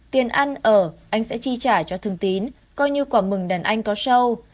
tiền ăn ở anh sẽ chi trả cho thương tín coi như quả mừng đàn anh có show